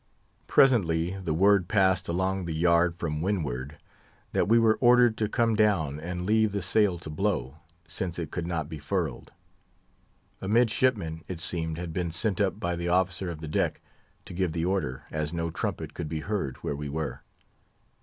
Presently, the word passed along the yard from wind ward, that we were ordered to come down and leave the sail to blow, since it could not be furled. A midshipman, it seemed, had been sent up by the officer of the deck to give the order, as no trumpet could be heard where we were.